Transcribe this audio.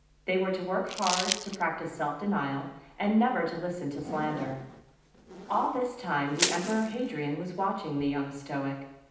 They were to work hard, to practice self denial, and never to listen to slander. All this time the Emperor Hadrian was watching the young stoic.